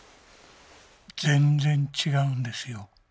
全然違うんですよ。